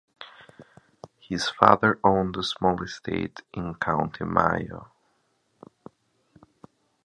His father owned a small estate in County Mayo.